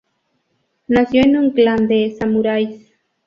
Nació en un clan de samuráis.